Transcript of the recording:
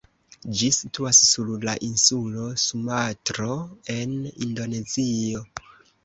Ĝi situas sur la insulo Sumatro en Indonezio.